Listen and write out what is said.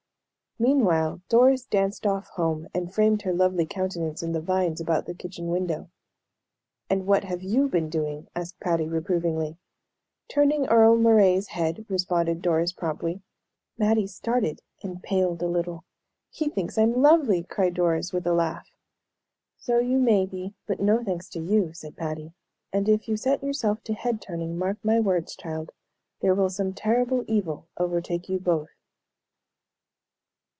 Meanwhile Doris danced off home, and framed her lovely countenance in the vines about the kitchen window. "And what have you been doing?" asked Patty, reprovingly. "Turning Earle Moray's head," responded Doris, promptly. Mattie started and paled a little. "He thinks I'm lovely!" cried Doris, with a laugh. "So you may be, but no thanks to you," said Patty, "and if you set yourself to head turning, mark my words, child, there will some terrible evil overtake you both."